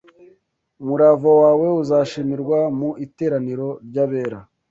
umurava wawe uzashimirwa mu iteraniro ry’abera